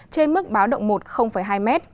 trên mức báo động một hai m